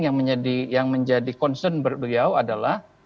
yang menjadi concern beliau adalah